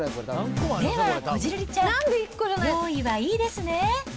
ではこじるりちゃん、用意はいいですね。